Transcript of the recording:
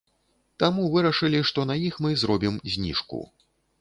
Таму вырашылі, што на іх мы зробім зніжку.